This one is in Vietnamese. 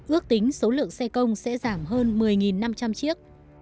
ước tính số lượng xe công sẽ giảm hơn một mươi năm trăm linh chiếc